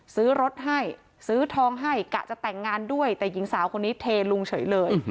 ซื้อรถให้ซื้อทองให้กะจะแต่งงานด้วยแต่หญิงสาวคนนี้เทลุงเฉยเลย